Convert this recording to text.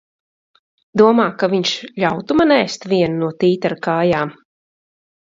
Domā, ka viņš ļautu man ēst vienu no tītara kājām?